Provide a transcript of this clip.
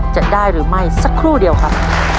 จะได้หรือไม่สักครู่เดียวครับ